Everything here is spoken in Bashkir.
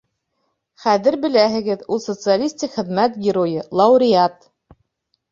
Хәҙер беләһегеҙ, ул Социалистик Хеҙмәт Геройы, лауреат.